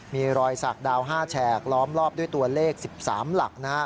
มีรอยสักดาว๕แฉกล้อมรอบด้วยตัวเลข๑๓หลัก